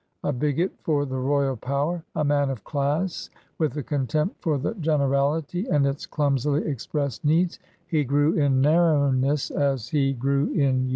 A bigot for the royal power, a man of class with a contempt for the generality and its climisily expressed needs, he grew in narrowness as he grew in years.